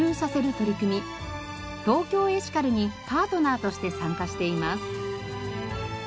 ＴＯＫＹＯエシカルにパートナーとして参加しています。